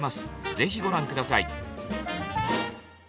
ぜひご覧下さい。